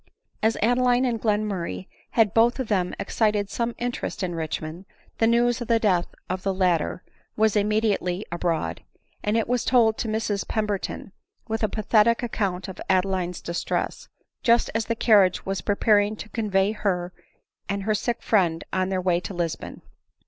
As Adeline and Glenmurray had both of them excited some interest in Richmond, the news of the death of the latter was immediately abroad ; and it was told to Mrs Pemberton, with a pathetic account of Adeline's distress, just as the carriage was preparing to convey her and her ADELINE MOWBRAY. 191 sick friend on their way to Lisbon.